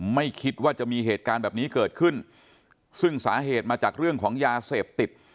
ไม่คิดว่าจะมีเหตุการณ์แบบนี้เกิดขึ้นซึ่งสาเหตุมาจากเรื่องของยาเสพติด